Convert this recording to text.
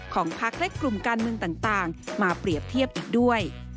ของพักและกลุ่มการเมืองต่างมาเปรียบเทียบอีกด้วย